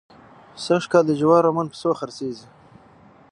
سږکال د جوارو من په څو خرڅېږي؟